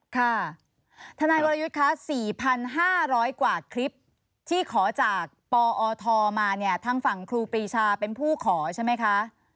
ค่ะทนายวรยุทธ์คะ๔๕๐๐กว่าคลิปที่ขอจากปอทมาเนี่ยทางฝั่งครูปรีชาเป็นผู้ขอใช่ไหมคะ